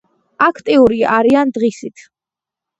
აქტიური არიან დღისით.